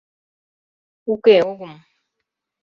— Уке, огым.